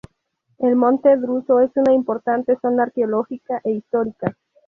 El Monte Druso es una importante zona arqueológica e histórica.